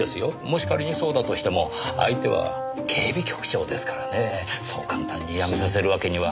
もし仮にそうだとしても相手は警備局長ですからねそう簡単に辞めさせるわけには。